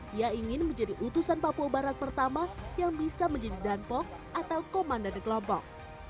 dia ingin menjadi utusan papua barat pertama yang bisa menjadi danpok atau komandan kelompok